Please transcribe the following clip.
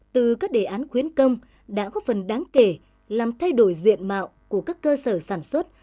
từ các đề án khuyến công đã góp phần đáng kể làm thay đổi diện mạo của các cơ sở sản xuất